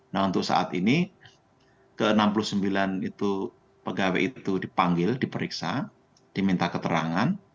nah untuk saat ini ke enam puluh sembilan itu pegawai itu dipanggil diperiksa diminta keterangan